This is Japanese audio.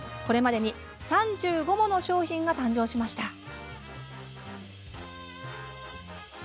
これまでに３５もの商品が誕生しました。